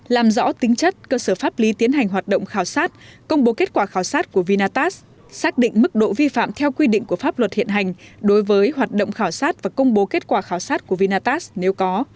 làm rõ tính chất cơ sở pháp lý tiến hành hoạt động khảo sát công bố kết quả khảo sát của vinatax xác định mức độ vi phạm theo quy định của pháp luật hiện hành đối với hoạt động khảo sát và công bố kết quả khảo sát của vinatax nếu có